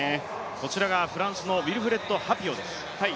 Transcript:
こちらがフランスのウィルフレッド・ハピオです。